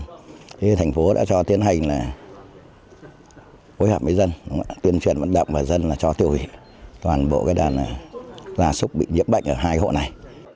thì thành phố đã cho tiến hành là phối hợp với dân tuyên truyền vận động và dân là cho tiêu hủy toàn bộ cái đàn gà súc bị nhiễm bệnh ở hai hộ này